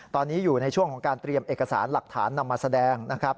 ตอนนี้อยู่ในช่วงของการเตรียมเอกสารหลักฐานนำมาแสดงนะครับ